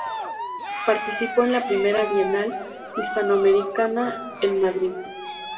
Participó en la Primera Bienal Hispanoamericana en Madrid.